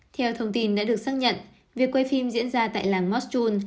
theo thông tin đã được xác nhận việc quay phim diễn ra tại làng mostrol